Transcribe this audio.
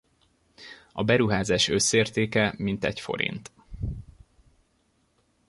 A beruházás összértéke mintegy forint.